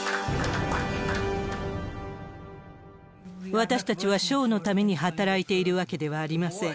私たちは賞のために働いているわけではありません。